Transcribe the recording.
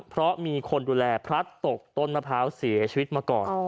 เพราะมีคนดูแลพลัดตกต้นมะพร้าวเสียชีวิตมาก่อน